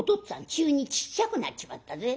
急にちっちゃくなっちまったぜ。